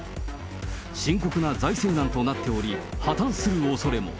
深刻な財政難となっており、破綻するおそれも。